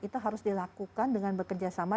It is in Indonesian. itu harus dilakukan dengan bekerjasama